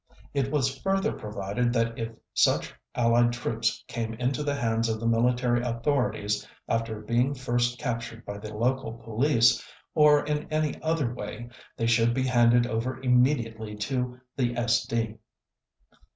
It was further provided that if such Allied troops came into the hands of the military authorities after being first captured by the local police, or in any other way, they should be handed over immediately to the SD.